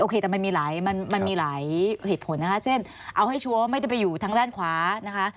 แต่มันมีหลายมันมีหลายเหตุผลนะคะเช่นเอาให้ชัวร์ว่าไม่ได้ไปอยู่ทางด้านขวานะคะ